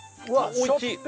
おいしい？